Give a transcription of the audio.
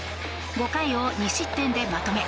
５回を２失点でまとめ